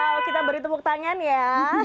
wow kita beri tepuk tangan ya